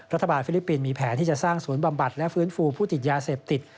ฟิลิปปินส์มีแผนที่จะสร้างศูนย์บำบัดและฟื้นฟูผู้ติดยาเสพติด